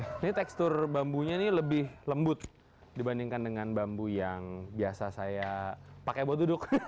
ini tekstur bambunya ini lebih lembut dibandingkan dengan bambu yang biasa saya pakai buat duduk